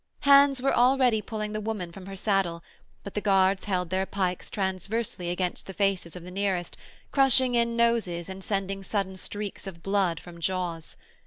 Hands were already pulling the woman from her saddle, but the guards held their pikes transversely against the faces of the nearest, crushing in noses and sending sudden streaks of blood from jaws.